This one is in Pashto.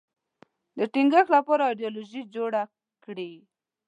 د ټینګښت لپاره ایدیالوژي جوړه کړي